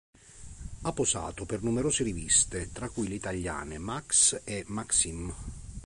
Ha posato per numerose riviste, tra cui le italiane "Max" e "Maxim".